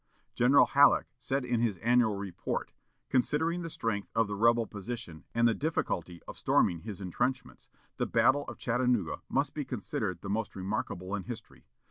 General Halleck said in his annual report, "Considering the strength of the rebel position and the difficulty of storming his intrenchments, the battle of Chattanooga must be considered the most remarkable in history.